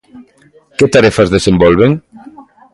Que tarefas desenvolven?